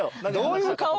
どういう顔？